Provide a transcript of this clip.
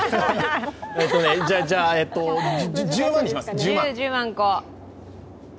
えっとね、じゃあ１０万にします！